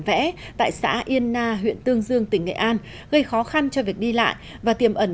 vẽ tại xã yên na huyện tương dương tỉnh nghệ an gây khó khăn cho việc đi lại và tiềm ẩn